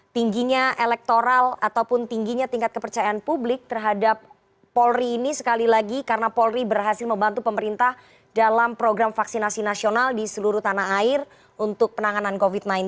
tingginya elektoral ataupun tingginya tingkat kepercayaan publik terhadap polri ini sekali lagi karena polri berhasil membantu pemerintah dalam program vaksinasi nasional di seluruh tanah air untuk penanganan covid sembilan belas